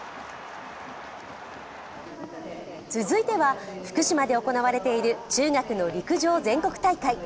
続いては福島で行われている中学の陸上全国大会。